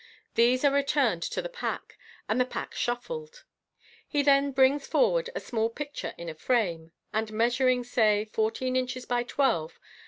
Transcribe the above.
These are returned to the pack, and the pack shuffled. He then brings forward a small picture in a frame, and measuring, say, fourteen inches by twelve.